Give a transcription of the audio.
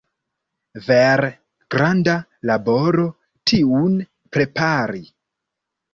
Vere granda laboro tiun prepari.